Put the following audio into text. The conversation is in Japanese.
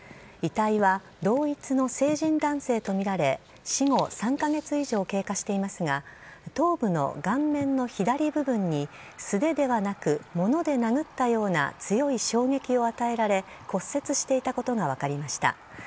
遺体は同一の成人男性とみられ死後３カ月以上経過していますが頭部の顔面の左部分に素手ではなく物で殴ったような強い衝撃を与えられ骨折していたことが分かりました。